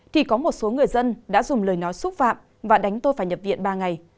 thì có một số người dân đã dùng lời nói xúc phạm và đánh tôi phải nhập viện ba ngày